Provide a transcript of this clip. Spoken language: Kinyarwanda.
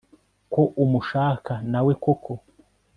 ko umushaka nawe koko